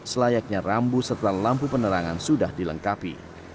selayaknya rambu setelah lampu penerangan sudah dilengkapi